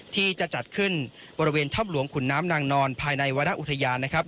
ที่จะจัดขึ้นบริเวณถ้ำหลวงขุนน้ำนางนอนภายในวรรณอุทยานนะครับ